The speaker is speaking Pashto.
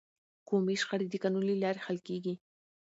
قومي شخړې د قانون له لارې حل کیږي.